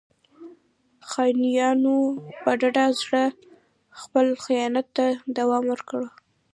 • خاینانو په ډاډه زړه خپل خیانت ته دوام ورکړ.